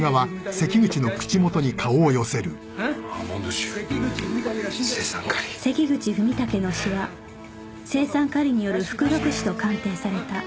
関口文武の死は青酸カリによる服毒死と鑑定された